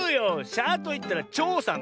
「しゃ」といったら「ちょうさん」。